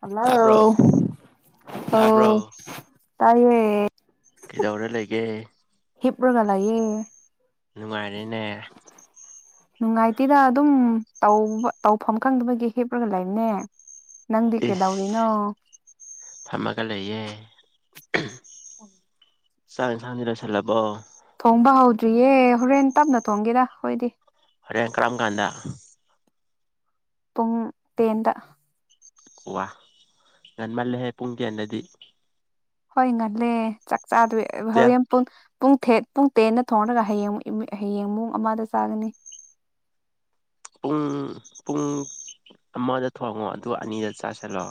Hello ꯇꯥꯕ꯭ꯔꯣ ꯑꯥꯎ ꯇꯥꯕ꯭ꯔꯣ ꯇꯥꯏꯌꯦ ꯀꯩꯗꯧꯔ ꯂꯩꯒꯦ ꯍꯤꯞꯔꯒ ꯂꯩꯌꯦ ꯅꯨꯡꯉꯥꯏꯔꯦꯅꯦ ꯅꯨꯡꯉꯥꯏꯇꯦꯗ ꯑꯗꯨꯝ ꯇꯧꯕ ꯇꯧꯐꯝ ꯈꯪꯗꯕꯒꯤ ꯍꯤꯞꯂꯒ ꯂꯩꯕꯅꯦ ꯅꯪꯗꯤ ꯀꯩꯗꯧꯔꯤꯅꯣ ꯏꯁ ꯐꯝꯃꯒ ꯂꯩꯌꯦ ꯆꯥꯛ ꯏꯟꯁꯥꯡꯗꯤ ꯂꯣꯏꯁꯤꯜꯂꯕꯣ ꯊꯣꯡꯕ ꯍꯧꯗ꯭ꯔꯤꯌꯦ ꯍꯣꯔꯦꯟ ꯇꯞꯅ ꯊꯣꯡꯒꯦꯗ ꯍꯣꯏꯗꯤ ꯍꯣꯔꯦꯟ ꯀꯔꯝꯀꯥꯟꯗ ꯄꯨꯡ ꯇꯦꯟꯗ ꯋꯥ ꯉꯟꯃꯜꯂꯦꯍꯦ ꯄꯨꯡ ꯇꯦꯟꯗꯗꯤ ꯍꯣꯏ ꯉꯜꯂꯦ ꯆꯥꯛ ꯆꯥꯗꯣꯢ ꯆꯦ ꯍꯧꯋꯦꯟ ꯄꯨꯡ ꯄꯨꯡ ꯊꯦꯠ ꯄꯨꯡ ꯇꯦꯟꯅ ꯊꯣꯡꯔꯒ ꯍꯌꯦꯡ ꯍꯌꯦꯡ ꯃꯨꯡ ꯑꯃꯗ ꯆꯥꯒꯅꯤ ꯄꯨꯡ ꯄꯨꯡ ꯑꯃꯗ ꯊꯣꯡꯉꯣ ꯑꯗꯨꯒ ꯑꯅꯤꯗ ꯆꯥꯁꯤꯜꯂꯣ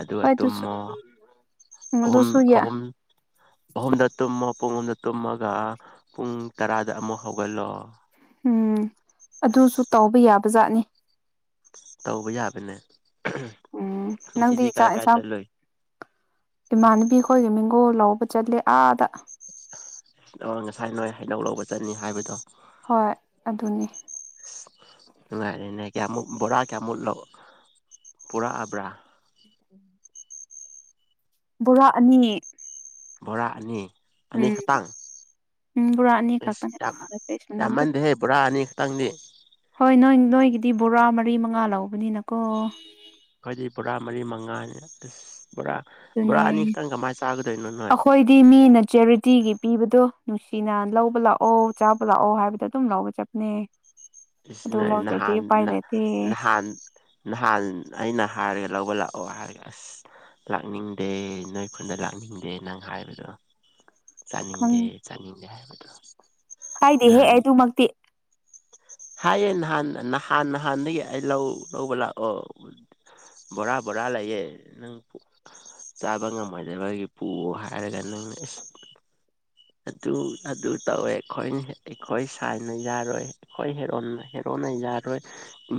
ꯑꯗꯨꯒ ꯍꯣꯏ ꯑꯗꯨꯁꯨ ꯇꯨꯝꯃꯣ ꯎꯝ ꯑꯍꯨꯝ ꯑꯗꯨꯁꯨ ꯌꯥ ꯑꯍꯨꯝ ꯑꯍꯨꯝꯗ ꯇꯨꯝꯃꯣ ꯄꯨꯡ ꯑꯍꯨꯝꯗ ꯇꯨꯝꯃꯒ ꯄꯨꯡ ꯇꯔꯥꯗ ꯑꯃꯨꯛ ꯍꯧꯒꯠꯂꯣ ꯍꯝ ꯑꯗꯨꯁꯨ ꯑꯁ ꯇꯧꯕ ꯌꯥꯕꯖꯥꯠꯅꯤ ꯇꯧꯕ ꯌꯥꯕꯅꯦ ꯎꯝ ꯅꯪꯗꯤ ꯉꯁꯤꯗꯤ ꯀꯥꯏ ꯆꯥꯛ ꯀꯥꯏ ꯢꯟꯁꯥꯡ ꯆꯠꯂꯨꯏ ꯏꯃꯥꯟꯅꯕꯤ ꯈꯣꯏꯒ ꯃꯦꯡꯒꯣ ꯂꯧꯕ ꯆꯠꯂꯦ ꯑꯥꯗ ꯉꯁꯥꯏ ꯅꯣꯏ ꯍꯩꯅꯧ ꯂꯧꯕ ꯆꯠꯅꯤ ꯍꯥꯏꯕꯗꯣ ꯍꯣꯏ ꯑꯗꯨꯅꯤ ꯅꯨꯡꯉꯥꯏꯔ‌ꯦꯅꯦ ꯀꯌꯥꯃꯨꯛ ꯕꯣꯔꯥ ꯀꯌꯥꯃꯨꯛ ꯄꯨꯔꯛꯑꯕ꯭ꯔꯥ ꯕꯣꯔꯥ ꯑꯅꯤ ꯕꯣꯔꯥ ꯑꯅꯤ ꯑꯅꯤ ꯎꯝ ꯈꯇꯥꯡ ꯎꯝ ꯕꯣꯔꯥ ꯑꯅꯤ ꯈꯛꯇꯅꯦ ꯢꯁ ꯅꯝꯗꯣ ꯌꯥꯝꯃꯟꯗꯦ ꯍꯦ ꯕ‌ꯣꯔꯥ ꯑꯅꯤ ꯈꯛꯇꯪꯗꯤ ꯍꯣꯏ ꯅꯣꯏ ꯅꯣꯏꯒꯤꯗꯤ ꯕꯣꯔꯥ ꯃꯔꯤ ꯃꯉꯥ ꯂꯧꯕꯅꯤꯅꯀꯣ ꯑꯩꯈꯣꯏꯗꯤ ꯕꯣꯔꯥ ꯃꯔꯤ ꯃꯉꯥꯅꯤ ꯑꯁ ꯕꯣꯔꯥ ꯕꯣꯔꯥ ꯑꯗꯨꯅꯦ ꯑꯅꯤ ꯈꯛꯇꯪ ꯀꯃꯥꯏꯅ ꯆꯥꯒꯗꯣꯏꯅꯣ ꯅꯣꯏ ꯁꯤꯗꯤ ꯃꯤꯅ ꯆꯦꯔꯤꯇꯤꯒꯤ ꯄꯤꯕꯗꯣ ꯅꯨꯡꯁꯤꯅ ꯂꯧꯕ ꯂꯥꯛꯑꯣ ꯆꯥꯕ ꯂꯥꯛꯑꯣ ꯍꯥꯏꯕꯗꯣ ꯑꯗꯨꯝ ꯂꯧꯕ ꯆꯠꯄꯅꯦ [inaudible] ꯏꯁ ꯅ‌ꯣꯏ ꯂꯧꯗ꯭ꯔꯗꯤ ꯅꯍꯥꯟ ꯎꯄꯥꯏ ꯅ ꯂꯩꯇꯦ ꯅꯍꯥꯟ ꯅꯍꯥꯟ ꯑꯩꯅ ꯍꯥꯏꯔꯒ ꯂꯧꯕ ꯂꯥꯛꯑꯣ ꯍꯥꯏꯔꯒ ꯑꯁ ꯂꯥꯛꯅꯤꯡꯗꯦ ꯅꯣꯏ ꯈꯨꯟꯗ ꯂꯥꯛꯅꯤꯡꯗꯦ ꯅꯪ ꯍꯥꯏꯕꯗꯣ ꯈꯪ ꯆꯥꯅꯤꯡꯗꯦ ꯆꯥꯅꯤꯡꯗꯦ ꯍꯥꯏꯕꯗꯣ ꯍꯥꯏꯗꯦꯍ‌ꯦ ꯑꯩ ꯅꯍꯥꯟ ꯑꯗꯨꯃꯛꯇꯤ ꯍꯥꯏꯌꯦ ꯅꯍꯥꯟ ꯅꯍꯥꯟ ꯅꯍꯥꯟꯗꯒꯤ ꯑꯩ ꯂꯧ ꯂꯧꯕ ꯂꯥꯛꯑꯣ ꯕꯣꯔꯥ ꯕꯣꯔꯥ ꯂꯩꯌꯦ ꯅꯪ ꯆꯥꯕ ꯉꯝꯃꯣꯏꯗꯕꯒꯤ ꯄꯨꯋꯣ ꯍꯥꯏꯔꯒ ꯅꯪꯅ ꯢꯁ ꯑꯗꯨ ꯑꯗꯨ ꯇꯧꯋꯦ ꯑꯩꯈꯣꯏ ꯑꯩꯈꯣꯏ ꯁꯥꯏꯅ ꯌꯥꯔꯣꯏ ꯑꯩꯈꯣꯢ ꯍꯦꯔꯣꯅ ꯌꯥꯔꯣꯏ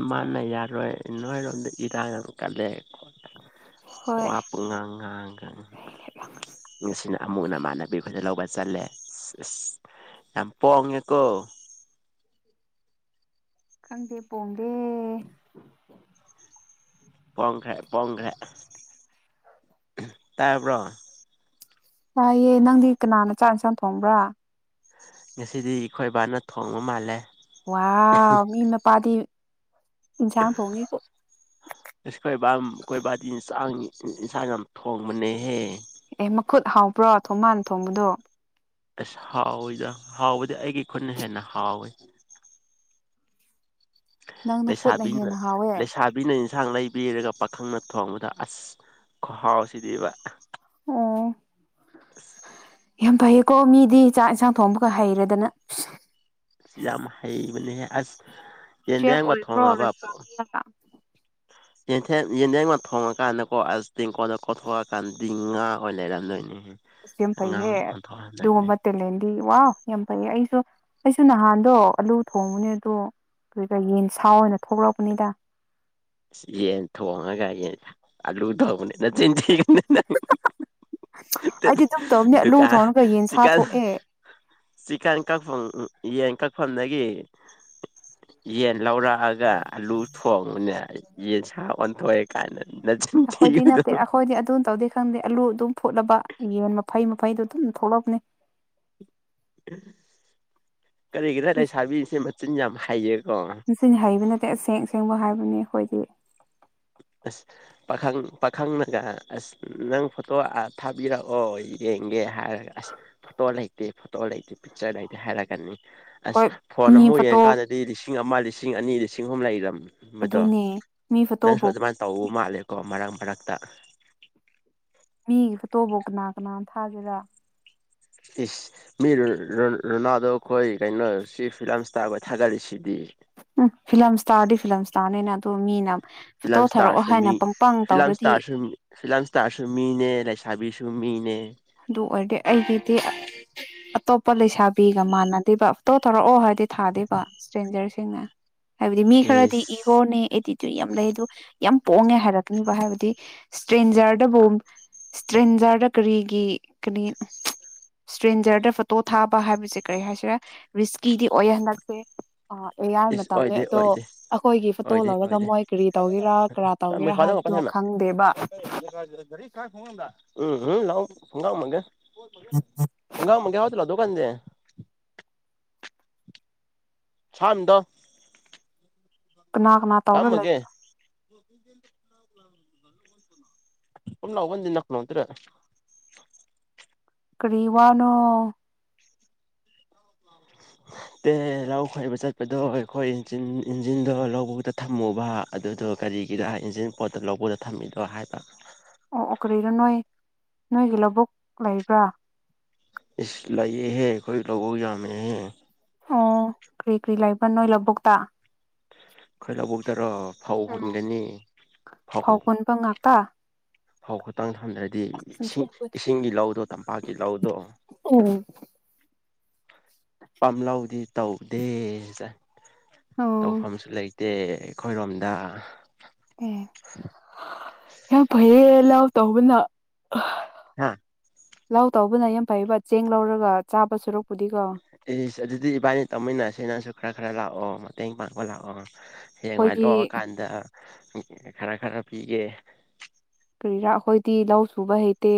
ꯃꯥꯅ ꯌꯥꯔꯣꯏ ꯅꯣꯏꯔꯣꯝꯗ ꯏꯔꯥꯡ ꯀꯜꯂꯦ ꯈꯣꯠꯂꯦ ꯍꯣꯏ ꯋꯥ ꯄꯨꯡ ꯉꯥꯡꯉꯒ ꯉꯁꯤꯅ ꯑꯃꯨꯛ ꯅꯃꯥꯟꯅꯕꯤ ꯈꯣꯢꯗ ꯂꯧꯕ ꯆꯠꯂꯦ ꯑꯁ ꯌꯥꯝ ꯄꯣꯡꯉꯦꯀꯣ ꯈꯪꯗꯦ ꯄꯣꯡꯗꯦ ꯄ‌ꯣꯡꯈ꯭ꯔꯦ ꯄꯣꯡꯈ꯭ꯔꯦ ꯇꯥꯕ꯭ꯔꯣ ꯇꯥꯏꯌꯦ ꯅꯪꯗꯤ ꯀꯅꯥꯅ ꯆꯥꯛ ꯏꯟꯁꯥꯡ ꯊꯣꯡꯕ꯭ꯔꯥ ꯉꯁꯤꯗꯤ ꯏꯈꯣꯏ ꯕꯥꯅ ꯊꯣꯡꯕ ꯃꯥꯜꯂꯦ ꯋꯥꯎ ꯃꯤ ꯃꯄꯥꯗꯤ ꯏꯟꯁꯥꯡ ꯊ‌ꯣꯡꯉꯤꯕ‌ꯣ ꯏꯁ ꯑꯈꯣꯏꯕꯥ ꯑꯥꯈꯣꯏ ꯕꯥꯗꯤ ꯏꯟꯁꯥꯡ ꯏꯟꯁꯥꯡ ꯌꯥꯝ ꯊꯣꯡꯕꯅꯦꯍꯦ ꯑꯦ ꯃꯈꯨꯠ ꯍꯥꯎꯕ꯭ꯔꯣ ꯊꯣꯡꯕꯥꯥꯟ ꯊꯣꯡꯕꯗꯣ ꯑꯁ ꯍꯥꯎꯋꯤꯗ ꯍꯥꯎꯕꯗꯤ ꯑꯩꯒꯤ ꯈꯨꯠꯅ ꯍꯦꯟꯅ ꯍꯥꯎꯋꯤ ꯅꯪꯅ ꯈꯨꯠꯅ ꯂꯩꯁꯥꯕꯤꯅ ꯍꯦꯟꯅ ꯍꯥꯎꯋꯦ ꯂꯩꯁꯥꯕ ꯕꯤꯅ ꯏꯟꯁꯥꯡ ꯂꯩꯕꯤꯔꯒ ꯄꯥꯈꯪꯅ ꯊꯣꯡꯕꯗ ꯑꯁ ꯈꯨꯍꯥꯎꯁꯤꯗꯤꯕ ꯑꯣ ꯑꯁ ꯌꯥꯝ ꯐꯩꯌꯦꯀꯣ ꯃꯤꯗꯤ ꯆꯥꯛ ꯌꯦꯟꯁꯥꯡ ꯊꯣꯡꯕꯒ ꯍꯩꯔꯗꯅ ꯌꯥꯝ ꯍꯥꯏꯩꯕꯅ‌ꯦꯍ‌ꯦ ꯑꯁ ꯆꯦꯝ ꯌꯦꯟꯗꯦꯝꯒ ꯑꯣꯏꯈ꯭ꯔꯣ ꯊꯣꯡꯉꯕ ꯔꯦꯁꯇꯨꯔꯥꯟ ꯑꯃꯗ ꯌꯦꯟꯊꯦꯝ ꯌꯦꯟꯗꯦꯝꯒ ꯊꯣꯡꯉꯀꯥꯟꯗꯀꯣ ꯑꯁ ꯇꯦꯡꯀꯣꯜꯗ ꯀꯣꯊꯣꯛꯑꯀꯥꯟꯗꯗꯤ ꯉꯥ ꯑꯣꯏ ꯂꯩꯔꯝꯗꯣꯏꯅꯦ ꯌꯝ ꯐꯩꯍꯦ ꯑꯗꯨꯒꯨꯝꯕ ꯇꯦꯂꯦꯟꯗꯤ ꯋꯥ ꯌꯥꯝ ꯐꯩ ꯑꯩꯁꯨ ꯑꯩꯁꯨ ꯅꯍꯥꯟꯗꯣ ꯑꯂꯨ ꯊꯣꯡꯕꯅꯦ ꯑꯗꯣ ꯑꯗꯨꯒ ꯌꯦꯟ ꯁꯥ ꯑꯣꯏꯅ ꯊꯣꯛꯂꯛꯄꯅꯤꯗ ꯏꯁ ꯌꯦꯟ ꯊꯣꯡꯉꯒ ꯌꯦꯟ ꯑꯂꯨ ꯊ‌ꯣꯡꯕꯅꯤ ꯅꯆꯤꯟꯊꯤꯒꯅꯨ ꯅꯪ ꯑꯩꯗꯤ [unintelligible] ꯑꯗꯨꯝ ꯇꯧꯕꯅꯦ ꯑꯂꯨ ꯗꯨꯀꯥꯟ ꯊꯣꯡꯔꯒ ꯌꯦꯟꯁꯥ ꯗꯨꯀꯥꯟ ꯊꯣꯛꯑꯦ ꯆꯤꯀꯟ ꯀꯛꯐꯝ ꯌꯦꯟ ꯀꯛꯐꯝꯗꯒꯤ ꯌꯦꯟ ꯂꯧꯔꯛꯑꯒ ꯑꯂꯨ ꯊꯣꯡꯕꯨꯅꯦ ꯌꯦꯟ ꯁꯥ ꯑꯣꯟꯊꯣꯛꯑꯦ ꯀꯥꯏꯅ ꯅꯆꯤꯟ ꯊꯤꯒꯅꯨ ꯑꯈꯣꯏꯗꯤ ꯑꯗꯨꯝ ꯇꯧꯗꯦ ꯈꯪꯗꯦ ꯑꯥꯂꯨ ꯑꯗꯨꯝ ꯐꯨꯠꯂꯕ ꯌꯦꯟ ꯃꯐꯩ ꯃꯐꯩꯗꯣ ꯑꯗꯨꯝ ꯊꯣꯛꯂꯛꯄꯅꯦ [inaudible] ꯀꯔꯤꯒꯤꯔ ꯏꯁ ꯂꯩꯁꯥꯕꯤꯁꯦ ꯃꯆꯤꯟ ꯌꯥꯝ ꯍꯥꯏꯌꯦꯀꯣ ꯆꯤꯟ ꯍꯩꯕ ꯅꯠꯇꯦ ꯑꯁꯦꯡ ꯑꯁꯦꯡꯕ ꯍꯥꯏꯕꯅꯤ ꯑꯩꯈꯣꯏꯗꯤ ꯑꯁ꯫ ꯄꯥꯈꯪ ꯄꯥꯈꯪꯅꯒ ꯑꯁ ꯅꯪ ꯐꯣꯇꯣ ꯑ ꯊꯥꯕꯤꯔꯛꯑꯣ ꯌꯦꯡꯒꯦ ꯍꯥꯏꯔꯒ ꯑꯁ꯫ ꯐꯣꯇꯣ ꯂꯩꯇꯦ ꯐꯣꯇꯣ ꯂꯩꯇꯦ ꯄꯤꯛꯆꯔ ꯂꯩꯇꯦ ꯍꯥꯏꯔ ꯒꯅꯤ ꯍꯣꯏ ꯑꯁ ꯐꯣꯟ ꯃꯤ ꯑꯃꯨꯛ ꯐꯣꯇꯣ ꯌꯦꯡꯉꯀꯥꯟꯗꯗꯤ ꯂꯤꯁꯤꯡ ꯑꯃ ꯂꯤꯁꯤꯡ ꯑꯅꯤ ꯂꯤꯁꯤꯡ ꯑꯍꯨꯝ ꯂꯩꯔꯝ ꯑꯗꯨꯅꯦ꯫ ꯃꯤ ꯅꯪꯁꯨ ꯐꯣꯇꯣꯕꯨ ꯑꯗꯨꯃꯥꯏꯟ ꯇꯧꯕ ꯃꯥꯜꯂꯦꯀꯣ ꯃꯔꯛ ꯃꯔꯛꯇ꯫ ꯃꯤꯒꯤ ꯐꯣꯇꯣꯕꯨ ꯀꯅꯥ ꯀꯅꯥꯟ ꯊꯥꯒꯦꯔꯥ꯫ ꯏꯁ꯫ ꯃꯤ ꯔꯣ ꯔꯣ ꯔꯣꯅꯥꯜꯗꯣꯈꯣꯏ ꯀꯩꯅꯣ ꯁꯤ ꯐꯤꯂꯝ ꯏꯁꯇꯥꯔꯈꯣꯏ ꯊꯥꯒꯠꯂꯤꯁꯤꯗꯤ꯫ ꯎꯝ ꯐꯤꯂꯝꯁꯇꯥꯥꯔꯗꯤ ꯐꯤꯂꯝꯁꯇꯥꯔꯅꯤꯅ ꯑꯗꯣ ꯃꯤꯅ꯫ ꯐꯣꯇꯣ ꯐꯤꯂꯝ ꯊꯥꯔꯛꯑꯣ ꯏꯁꯇꯥꯔꯁꯨ ꯍꯥꯏꯅ ꯃꯤ ꯄꯪꯄꯪ ꯐꯤꯂꯝ ꯇꯧꯔꯗꯤ꯫ ꯏꯁꯇꯥꯔꯁꯨ ꯐꯤꯂꯝ ꯏꯁꯇꯥꯔꯁꯨ ꯃꯤꯅꯦ ꯂꯩꯁꯥꯕꯤꯁꯨ ꯃꯤꯅꯦ꯫ ꯑꯗꯨ ꯑꯣꯏꯔꯗꯤ ꯑꯩꯒꯤꯗꯤ [inaudible] ꯑꯇꯣꯞꯄ ꯂꯩꯁꯥꯕꯤꯒ ꯃꯥꯟꯅꯗꯦꯕ꯫ ꯐꯣꯇꯣ ꯊꯧꯔꯛꯑꯣ ꯍꯥꯏꯔꯗꯤ ꯊꯥꯗꯦꯕ ꯏꯁꯇ꯭ꯔꯦꯟꯖꯔꯁꯤꯡꯅ ꯍꯥꯏꯕꯗꯤ ꯃꯤ ꯈꯔꯗꯤ ꯏ꯫ ꯏꯁ ꯔꯣꯅꯦ ꯑꯦꯗꯤꯇꯔ ꯌꯥꯝ ꯂꯩ ꯑꯗꯨ ꯌꯥꯝ ꯄꯣꯡꯉꯦ ꯍꯥꯏꯔꯛꯀꯅꯤꯕ ꯍꯥꯏꯕꯗꯤ ꯏꯁꯇ꯭ꯔꯦꯟꯖꯔꯗꯕꯨ ꯏꯁꯇ꯭ꯔꯦꯟꯖꯔꯗ ꯀꯔꯤꯒꯤ ꯀꯔꯤ [inaudible] ꯏꯁꯇ꯭ꯔꯦꯟꯖꯔꯗ ꯐꯣꯇꯣ ꯊꯥꯕ ꯍꯥꯏꯕꯁꯦ ꯀꯔꯤ ꯍꯥꯏꯁꯤꯔꯦ ꯔꯤꯁꯀꯤꯗꯤ ꯑꯣꯏ ꯍꯟꯗꯛꯁꯦ ꯑ ꯑꯦꯌꯥꯏ ꯏꯁ ꯃꯇꯝꯅꯤ ꯑꯣꯏꯗꯦ ꯑꯗꯣ ꯑꯣꯏꯗꯦ ꯑꯩꯈꯣꯏꯒꯤ ꯐꯣꯇꯣ ꯑꯣꯏꯗꯦ ꯂꯧꯔꯒ ꯑꯣꯏꯗꯦ ꯃꯣꯏ ꯀꯔꯤ ꯇꯧꯒꯦꯔꯥ ꯀꯔꯥ ꯇꯧꯒꯦꯔꯥ ꯍꯥꯏꯕꯗꯣ ꯈꯪꯗꯦꯕ [inaudible] [inaudible] ꯎꯝ ꯎꯝ ꯂꯥꯎ ꯈꯨꯡꯒꯎꯝꯃꯥꯒꯦ [inaudible] [unintelligible] ꯁꯥꯟꯗꯝ ꯀꯅꯥ ꯑꯃꯥ ꯑꯝꯃꯒꯦ ꯎ ꯂ ꯑꯣꯟꯤꯟ ꯀꯂꯣꯇ꯭ꯔꯦ [inaudible] ꯀꯔꯤ ꯋꯥꯅꯣ [unintelligible] ꯇꯦ ꯂꯧ ꯈꯣꯏꯕ ꯆꯠꯄꯗꯣ ꯑꯩꯈꯣꯏ ꯏꯟꯖꯤꯟꯗꯣ ꯂꯧꯕꯨꯛꯇ ꯊꯝꯃꯨꯕ ꯑꯗꯨꯗꯣ ꯀꯔꯤꯒꯤꯔ ꯏꯟꯖꯤꯟ ꯄꯣꯠꯇꯣ ꯂꯧꯕꯨꯛꯗ ꯊꯝꯃꯤꯗꯣ ꯍꯥꯏꯕ ꯑꯣ ꯑꯣ ꯀꯔꯤꯅꯣ ꯅꯣꯏ ꯅꯣꯏꯒꯤ ꯂꯧꯕꯨꯛ ꯂꯩꯕ꯭ꯔꯥ ꯏꯁ ꯂꯩꯥꯏꯌꯦꯍꯦ ꯑꯩꯈꯣꯢ ꯂꯧꯕꯨꯛ ꯌꯥꯝꯃꯦ ꯍꯦ ꯑꯣ ꯀꯔꯤ ꯀꯔꯤ ꯂꯩꯕ ꯅꯣꯏ ꯂꯧꯕꯨꯛꯇ ꯈꯣꯢ ꯂꯧꯕꯨꯛꯇꯔꯣ ꯐꯧ ꯍꯨꯟꯒꯅꯤ ꯐꯧ ꯄꯨꯟꯕ ꯐꯧ ꯉꯥꯛꯇ ꯐꯧ ꯉꯥꯛꯇꯪ ꯊꯝꯗ꯭ꯔꯗꯤ ꯏꯁꯤꯡ ꯏꯁꯤꯡꯒꯤ ꯂꯧꯗꯣ ꯇꯝꯄꯥꯛꯀꯤ ꯂꯧꯗꯣ ꯑꯣ ꯄꯥꯝꯂꯧꯗꯤ ꯇꯧꯗꯦ ꯑꯣ ꯇꯧꯐꯝꯁꯨ ꯂꯩꯇꯦ ꯂꯩꯇꯦ ꯑꯩꯈꯣꯏꯔꯣꯝꯗ ꯑꯦ ꯌꯥꯝ ꯐꯩꯌꯦ ꯂꯧ ꯇꯧꯕꯅ ꯍꯥ ꯂꯥꯎ ꯇꯧꯕꯅ ꯌꯥꯝ ꯐꯩꯕ ꯆꯦꯡ ꯂꯧꯔꯒ ꯆꯥꯕ ꯁꯨꯔꯛꯄꯨꯗꯤꯀꯣ ꯑꯦ ꯑꯗꯨꯗꯤ ꯏꯕꯥꯅꯤ ꯇꯧꯃꯤꯟꯅꯁꯦꯅ ꯈꯔ ꯈꯔ ꯂꯥꯛꯑꯣ ꯃꯇꯦꯡ ꯄꯥꯡꯕ ꯂꯥꯛꯑꯣꯅꯣ ꯍꯌꯦꯡꯋꯥꯢ ꯑꯩꯈꯣꯏꯗꯤ ꯂꯣꯛꯑꯀꯥꯟꯗ ꯈꯔ ꯈꯔ ꯄꯤꯒꯦ ꯀꯔꯤꯔꯥ ꯑꯩꯈꯣꯏꯗꯤ ꯂꯧ ꯁꯨꯕ ꯍꯩꯇꯦ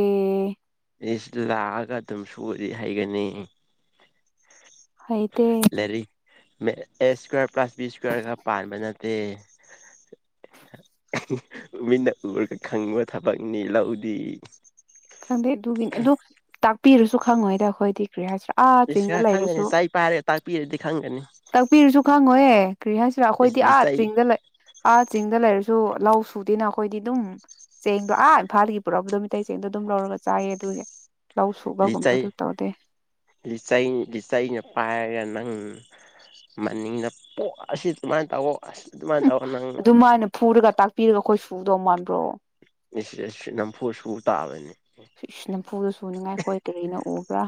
ꯢꯁ ꯂꯥꯛꯑꯒ ꯑꯗꯨꯝ ꯁꯨꯔꯗꯤ ꯍꯩꯒꯅꯤ ꯍꯩꯇꯦ ꯔꯤ A square plus B square ꯀ ꯄꯥꯟꯕ ꯅꯠꯇꯦ ꯃꯤꯠꯅ ꯎꯔꯒ ꯈꯪꯕ ꯊꯕꯛꯅꯤ ꯂꯧꯗꯤ ꯈꯪꯗꯦ ꯑꯗꯨꯒꯤꯅꯤ ꯑꯗꯨ ꯇꯥꯛꯄꯤꯔꯁꯨ ꯈꯪꯉꯣꯏꯗ ꯑꯩꯈꯣꯏꯗꯤ ꯀꯔꯤ ꯍꯥꯏꯁꯤꯔꯥ ꯑꯥ ꯏꯁ ꯆꯤꯡꯗ ꯈꯪꯒꯅꯤ ꯂꯩꯔꯁꯨ ꯆꯩ ꯄꯥꯏꯔꯒ ꯇꯥꯛꯄꯤꯔꯗꯤ ꯈꯪꯒꯅꯤ꯫ ꯇꯥꯛꯄꯤꯔꯁꯨ ꯈꯪꯉꯣꯢꯌ‌ꯦ ꯀꯔꯤ ꯍꯥꯏꯁꯤꯔ ꯏꯁ ꯑꯈꯣꯏꯗꯤ ꯑꯥ ꯂꯤꯆꯩ ꯆꯤꯡꯗ ꯂꯩ꯫ ꯑꯥ ꯆꯤꯡꯗ ꯂꯩꯔꯁꯨ ꯂꯧ ꯁꯨꯗꯦꯅ ꯑꯈꯣꯏꯗꯤ ꯑꯗꯨꯝ ꯆꯦꯡꯗꯣ ꯑꯥ ꯏꯝꯐꯥꯜꯗꯒꯤ ꯄꯨꯔꯛꯄꯗꯣ ꯃꯤꯇꯩꯩ ꯆꯦꯡꯗꯣ꯫ ꯑꯗꯨꯝ ꯂꯧꯔꯒ ꯆꯥꯏꯌꯦ ꯑꯗꯨꯒꯤ ꯂꯧ ꯂꯤꯆꯩ ꯁꯨꯕꯒꯨꯝꯕꯗꯨ ꯇꯧꯗꯦ꯫ ꯂꯤꯆꯩ ꯂꯤꯆꯩꯅ ꯄꯥꯏꯔꯒ ꯅꯪ꯫ ꯃꯅꯤꯡꯗ ꯄꯣꯛ ꯑꯁꯤ ꯁꯨꯃꯥꯏꯅ ꯇꯧꯑꯣ ꯑꯁ꯫ ꯑꯗꯨꯃꯥꯏꯅ ꯍꯨꯝ ꯇꯧꯋꯣ ꯅꯪ ꯑꯗꯨꯃꯥꯏꯅ ꯐꯨꯔꯒ ꯇꯥꯛꯄꯤꯔꯒ ꯑꯈꯣꯏ ꯁꯨꯗꯧ ꯃꯥꯟꯕ꯭ꯔꯣ꯫ ꯏꯁ ꯏꯁ ꯅꯝꯐꯨ ꯁꯨꯕ ꯇꯥꯕꯅꯤ꯫ ꯅꯝꯐꯨꯗ ꯁꯨꯅꯤꯡꯉꯥꯏ ꯈꯣꯏ ꯀꯔꯤꯅ ꯎꯕ꯭ꯔꯥ꯫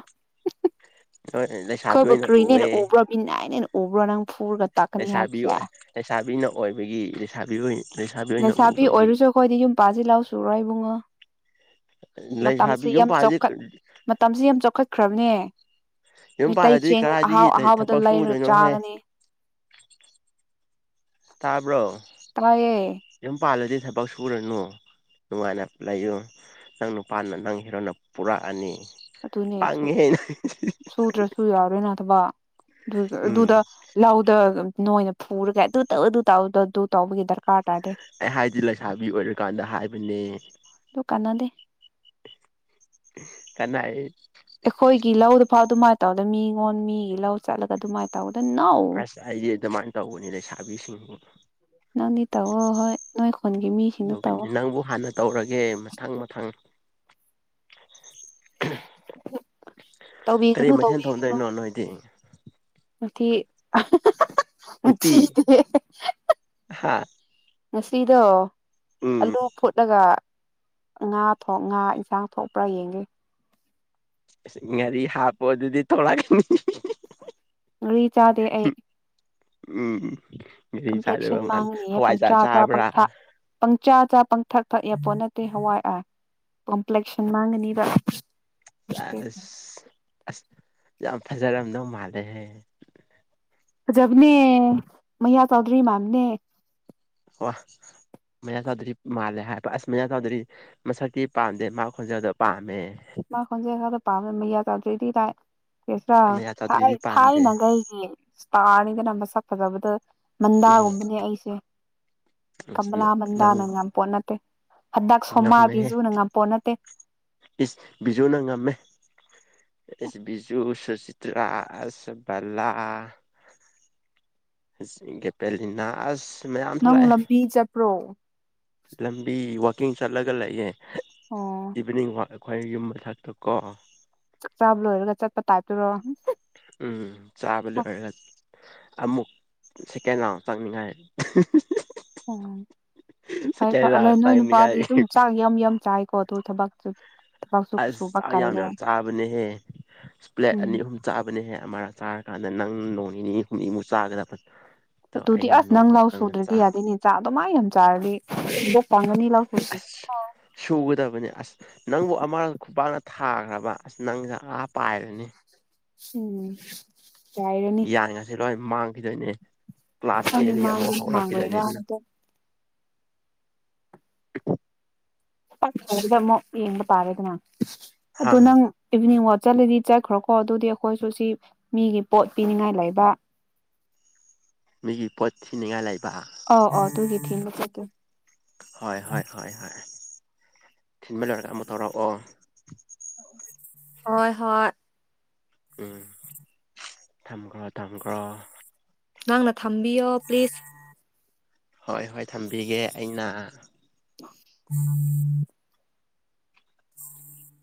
ꯍꫭꯏ ꯂꯩꯁꯥꯕꯤ ꯑꯩꯈꯣꯏꯕꯨ ꯑꫭꯏꯅ ꯀꯔꯤꯅꯦꯅ ꯎꯨꯋ‌ꯦ꯫ ꯎꯕ꯭ꯔꯥ ꯃꯤꯅꯥꯏꯅꯦꯅ [unintelligible] ꯎꯕ꯭ꯔꯣ ꯅꯪ ꯐꯨꯔꯒ꯫ ꯇꯥꯛꯀꯅꯤ ꯂꯩꯁꯥꯕꯤ ꯍꯥꯏꯕꯁꯦ ꯂꯩꯁꯥꯕꯤꯅ ꯑꯣꯏꯕꯒꯤ ꯂꯩꯁꯥꯕꯤ ꯂꯩꯁꯥꯕꯤ ꯑꯣꯏꯅ ꯎꯨꯕꯒꯤ꯫ ꯅꯨꯄꯥꯁꯨ ꯂꯥꯎ ꯁꯨꯔꯣꯢ ꯏꯕꯨꯡꯉꯣ ꯃꯇꯝꯁꯤ ꯂꯩꯁꯥꯕꯤ ꯌꯨꯝ ꯌꯥꯝ ꯄꯥꯜꯂꯗꯤ ꯆꯥꯎꯈꯠ꯫ ꯃꯇꯝꯁꯤ ꯌꯥꯝ ꯆꯥꯎꯈꯠꯈ꯭ꯔꯝꯅꯦ꯫ ꯌꯨꯝ ꯃꯩꯇꯩ ꯄꯥꯜꯂꯗꯤ ꯆꯦꯡ ꯑꯍꯥꯎ ꯀꯗꯥꯏꯗꯒꯤ ꯑꯍꯥꯎꯕꯗꫭ ꯊꯕꯛ ꯂꯩꯔꯒ ꯁꯨꯒꯗꯣꯏꯅꯣꯍꯦ ꯆꯥꯒꯅꯤ꯫ ꯇꯥꯕ꯭ꯔꯣ꯫ ꯇꯥꯏꯌꯦ꯫ ꯌꯨꯝ ꯄꯥꯜꯂꯗꯤ ꯊꯕꯛ ꯁꯨꯔꯅꯨ꯫ ꯅꯨꯡꯉꯥꯏꯅ ꯂꯩꯌꯨ ꯅꯪ ꯅꯨꯄꯥꯅ ꯅꯪ ꯍꯤꯔꯣꯅ ꯄꯨꯔꯛꯑꯅꯤ꯫ ꯑꯗꯨꯅꯦ ꯄꯪꯉꯦꯍꯦ ꯁꯨꯗ꯭ꯔꯁꯨ ꯌꯥꯔꯦꯅ ꯊꯕꯛ ꯑꯗꯨ ꯑꯗꯨꯗ꯫ ꯎꯝ ꯂꯧꯗ ꯅꯣꯏꯅ ꯐꯨꯔꯒ ꯑꯗꯨ ꯇꯧ ꯑꯗꯨ ꯇꯧ ꯑꯗꯨ ꯇꯧꯕꯒꯤ ꯗꯔꯀꯥꯔ꯫ ꯇꯥꯗꯦ ꯑꯩ ꯍꯥꯏꯗꯤ ꯂꯩꯁꯥꯕꯤ ꯑꯣꯏꯔꯀꯥꯟꯗ ꯍꯥꯏꯕꯅꯦ‌꯫ ꯑꯗꯨ ꯀꯥꯟꯅꯗ‌ꯦ꯫ ꯀꯥꯟꯅꯩ꯫ ꯑꯩꯈꯣꯏꯒꯤ ꯂꯧꯗ ꯐꯥꯎ ꯑꯗꯨꯃꯥꯏꯅ ꯇꯧꯗꯦ ꯃꯤꯉꯣꯟ ꯃꯤꯒꯤ ꯂꯧ ꯆꯠꯂꯒ ꯑꯗꯨꯃꯥꯏꯅ ꯫ ꯇꯧꯗ ꯅꫭ ꯑꯁ ꯑꯩꯗꯤ ꯑꯗꯨꯃꯥꯏꯅ ꯇꯧꯕꯅꯤ ꯂꯩꯁꯥꯕꯤꯁꯤꯡ ꯅꯪꯗꯤ ꯇꯧꯑꯣ ꯍꯣꯏ ꯅꯣꯏ ꯈꯨꯟꯒꯤ ꯃꯤ ꯅꯪꯕꯨ ꯍꯥꯟꯅ ꯇꯧꯔꯒꯦ ꯃꯊꯪ ꯃꯊꯪ ꯀꯔꯤ ꯇꯧꯕꯤꯒꯅꯨ ꯃꯊꯦꯟ ꯊꯣꯡꯗꯣꯏꯅꯣ ꯅꯣꯏꯗꯤ ꯃꯊꯤ [unintelligible] ꯃꯊꯤ ꯎꯇꯤ ꯌꯦ ꯍꯥ ꯉꯁꯤꯗꯣ ꯎꯝ ꯑꯂꯨ ꯐꯨꯠꯂꯒ ꯉꯥ ꯊꫭꯛ ꯉꯥ ꯏꯟꯁꯥꯡ ꯊꯣꯛꯄ꯭ꯔꯥ ꯌꯦꯡꯒꯦ ꯉꯔꯤ ꯍꯥꯞꯄꫭ ꯑꯗꯨꯗꯤ ꯊꫭꯛꯂꯛꯀꯅꯤ ꯉꯥꯔꯤ ꯆꯥꯗꯦ ꯑꯩ ꯎꯝ ꯉꯥꯔꯤ ꯆꯥꯗꯕ ꯀꯝꯄ꯭ꯂꯦꯛꯁꯟ ꯃꯥꯜꯂꯦ ꯃꯥꯡꯒꯅꯤꯌꯦ ꯍꯋꯥꯏꯖꯥꯔ ꯄꯪꯆꯥ ꯆꯥ ꯆꯥꯕ꯭ꯔꯥ ꯄꯪꯊꯥꯛ ꯄꯪꯆꯥ ꯆꯥ ꯄꯪꯊꯛ ꯊꯛ ꯌꯥꯄꯣꯠ ꯅꯠꯇꯦ ꯍꯋꯥꯏ ꯑꯥ ꯀꯝꯄ꯭ꯂꯦꯛꯁꯟ ꯃꯥꯡꯒꯅꯤꯕ ꯁꯦꯁ ꯑꯁ ꯌꯥꯝ ꯐꯖꯔꯝꯗꯧ ꯃꯥꯜꯂꯦꯍꯦ ꯐꯖꯕꯅꯦ ꯃꯩꯌꯥ ꯆꯧꯗ꯭ꯔꯤ ꯃꯥꯟꯕꯅꯦ ꯋꯥ ꯃꯩꯌꯥ ꯆꯧꯗ꯭ꯔꯤ ꯃꯥꯂꯦ ꯍꯥꯏꯕ ꯑꯁ ꯃꯩꯌꯥ ꯆꯧꯗ꯭ꯔꯤ꯫ ꯃꯁꯛꯇꯤ ꯄꯥꯝꯗꯦ ꯃꯥ ꯈꯣꯟꯖꯦꯜꯗꯣ ꯄꯥꯝꯃꯦ ꯃꯥ ꯈꯣꯟꯖꯦꯜ ꯈꯛꯇ ꯄꯥꯝꯃꯦ ꯃꯩꯌꯥ ꯆꯥꯗ꯭ꯔꯣꯏꯗꯤ ꯇꯥꯏ ꯀꯁ꯭ꯔꯥ ꯃꯌꯥ ꯆꯧꯗꯔꯤꯗꯤ ꯄꯥꯝꯗꯦ ꯊꯥꯏꯅꯈꯩꯒꯤ꯫ ꯏꯁꯇꯥꯔꯅꯤꯗꯅ ꯃꯁꯛ ꯐꯖꯕꯗ ꯎꯝ ꯃꯟꯗꯥꯒꯨꯝꯕꯅꯦ ꯑꯩꯁꯦ꯫ ꯀꯃꯂꯥ ꯅꯪ ꯃꯟꯗꯥꯅ ꯉꯝꯄꯣꯠ ꯅꯠꯇ‌ꯦ ꯉꯝꯃꯦꯍꯦ ꯅꯠꯇꯦ ꯏꯁ ꯕꯤꯖꯨꯅ ꯉꯝꯃꯦ ꯏꯁ ꯕꯤꯖꯨ ꯁꯨꯆꯤꯇ꯭ꯔꯥ ꯑꯁ ꯕꯂꯥ꯫ ꯒꯦꯄꯦꯂꯤꯅꯥ ꯑꯁ ꯃꯌꯥꯝ ꯅꯪ ꯊꯣꯛꯂꯛꯑꯦ꯫ ꯂꯝꯕꯤ ꯆꯠꯄ꯭ꯔꯣ ꯂꯝꯕꯤ ꯋꯥꯛꯀꯤꯡ ꯆꯠꯂꯒ ꯂꯩꯌꯦ ꯑꯣ ꯏꯚꯤꯅꯤꯡꯋꯥꯛ꯫ ꯑꯩꯈꯣꯏ ꯌꯨꯝ ꯃꯊꯥꯛꯇ ꯀꯣ ꯆꯥꯛ ꯆꯥꯕ ꯂꯣꯏꯔꯒ ꯆꯠꯄ ꯇꯥꯏꯞꯇꯔꯣ ꯎꯝ ꯆꯥꯕ ꯂꯣꯏꯔꯒ ꯑꯃꯨꯛ ꯁꯦꯀꯦꯟ ꯔꯥꯎꯟ ꯆꯪꯅꯤꯡꯉꯥꯏ ꯑꯣꯝ ꯁꯦꯀꯦꯟ ꯐꯔꯦ ꯔꯥꯎꯟ ꯅꯣꯏ ꯅꯨꯄꯥꯗꯤ ꯆꯪꯅꯤꯡꯉꯥꯏ ꯑꯗꯨꯝ ꯆꯥꯛ ꯌꯥꯝ ꯌꯥꯝ ꯆꯥꯏꯀꯣ ꯑꯗꯨ ꯊꯕꯛꯇꯨꯗꯤ ꯑꯁ ꯆꯥꯛ ꯌꯥꯝ ꯌꯥꯝ ꯆꯥꯕꯅꯦꯍꯦ ꯏꯁ ꯄ꯭ꯂꯦꯠ ꯎꯝ ꯑꯅꯤ ꯑꯍꯨꯝ ꯆꯥꯕꯅꯦꯍꯦ ꯑꯃꯥ ꯆꯥꯔꯀꯥꯟꯗ ꯅꯪ ꯅꯣꯡ ꯅꯤꯅꯤ ꯍꯨꯝꯅꯤꯃꯨꯛ ꯆꯥꯒꯗꯕ ꯑꯗꯣ ꯑꯗꯨꯗꯤ ꯑꯩꯅ ꯑꯁ ꯅꯪ ꯅꯣꯡꯃ ꯂꯥꯎ ꯈꯛꯇꯪꯗ ꯁꯨꯗ꯭ꯔꯗꯤ ꯆꯥ ꯌꯥꯗꯦꯅꯦ ꯆꯥꯛ ꯑꯗꯨꯃꯥꯏ ꯌꯥꯝ ꯆꯥꯔꯗꯤ ꯅꯕꯨꯛ ꯀꯪꯉꯅꯤ ꯂꯥꯎ ꯁꯨꯁꯤ ꯁꯨꯒꯗꯥꯕꯅꯦ ꯑꯁ ꯅꯪꯕꯨ ꯑꯃꯔꯛ ꯈꯨꯄꯥꯛꯅ ꯊꯥꯈ꯭ꯔꯕ ꯑꯁ ꯅꯪꯁꯦ ꯑꯥ ꯄꯥꯏꯈꯔꯅꯤ ꯎꯝ ꯌꯥꯏꯔꯅꯤ ꯒꯌ꯭ꯥꯟꯒꯥꯁꯤ ꯂꯣꯏ ꯃꯥꯡꯈꯤꯗꯣꯏꯅꯦ ꯀ꯭ꯂꯥꯁ ꯈꯪꯗꯦ ꯑꯦꯗꯒꯤ ꯑꯃꯨꯛ ꯃꯥꯡꯒꯦꯔ ꯃꯥꯡꯉꯣꯏꯔ ꯍꯧꯔꯛꯈꯤꯗꯣꯏꯅꯤꯅ ꯍꯥꯏꯗꯣ ꯑꯗꯨꯗꯃꯨꯛ ꯌꯦꯡꯕ ꯇꯥꯔꯦꯗꯅ ꯑꯗꯣ ꯍꯪ ꯅꯪ ꯏꯚꯤꯅꯤꯡ ꯋꯥꯛ ꯆꯠꯂꯗꯤ ꯆꯠꯈ꯭ꯔꯣꯀꯣ ꯑꯗꯨꯗꯤ ꯑꯩꯈꯣꯏꯁꯨ ꯁꯤ ꯃꯤꯒꯤ ꯄꯣꯠ ꯄꯤꯅꯤꯡꯉꯥꯏ ꯂꯩꯕ ꯃꯤꯒꯤ ꯄꯣꯠ ꯊꯤꯅꯤꯡꯉꯥꯏ ꯂꯩꯕ ꯑꯣ ꯑꯣ ꯇꯨꯒꯤ ꯊꯤꯟꯕ ꯆꯠꯀꯦ ꯍꯣꯏ ꯍꯣꯏ ꯍꯣꯏ ꯍꯣꯏ ꯊꯤꯟꯕ ꯂꯣꯏꯔꯒ ꯑꯃꯨꯛ ꯇꯧꯔꯛꯑꯣ ꯍꯣꯏ ꯍꯣꯏ ꯎꯝ ꯊꯝꯈ꯭ꯔꯣ ꯊꯝꯈ꯭ꯔꯣ ꯅꯪꯅ ꯊꯝꯕꯤꯌꯣ ꯄ꯭ꯂꯤꯖ ꯍꯣꯏ ꯍꯣꯏ ꯊꯝꯕꯤꯒꯦ ꯑꯩꯅ [inaudible]